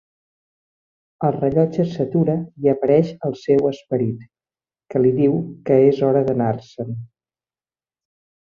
El rellotge s'atura i apareix el seu "esperit", que li diu que "és hora d'anar-se'n".